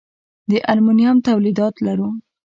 د المونیم تولیدات لرو؟